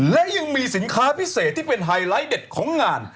และยังมีสินค้าพิเศษที่เป็นไฮไลท์เด็ดของงาน